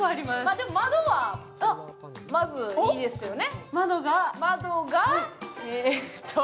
窓はまずいいですよね。